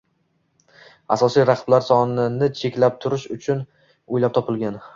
asosiy raqiblar sonini cheklab turish uchun o’ylab topilgan